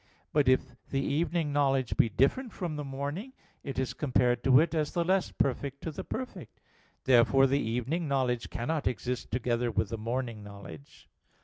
But, if the evening knowledge be different from the morning, it is compared to it as the less perfect to the perfect. Therefore the evening knowledge cannot exist together with the morning knowledge.